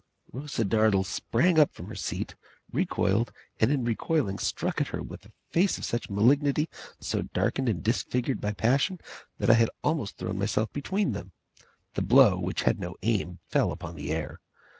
Rosa Dartle sprang up from her seat; recoiled; and in recoiling struck at her, with a face of such malignity, so darkened and disfigured by passion, that I had almost thrown myself between them. The blow, which had no aim, fell upon the air.